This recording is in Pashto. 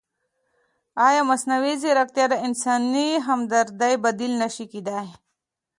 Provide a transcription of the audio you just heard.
ایا مصنوعي ځیرکتیا د انساني همدردۍ بدیل نه شي کېدای؟